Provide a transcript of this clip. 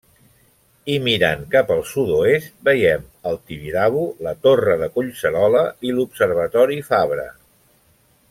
I mirant cap al sud-oest veiem el Tibidabo, la Torre de Collserola i l'Observatori Fabra.